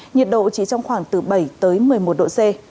nhiệt độ chỉ trong khoảng từ bảy tới một mươi một độ c